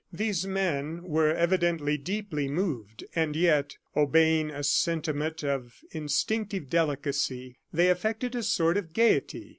These men were evidently deeply moved, and yet, obeying a sentiment of instinctive delicacy, they affected a sort of gayety.